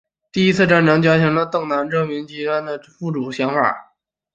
第一次战争加强了邓南遮的极端民族主义和领土收复主义的想法。